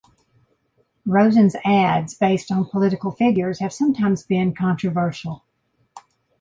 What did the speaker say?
Rosen's ads based on political figures have sometimes been controversial.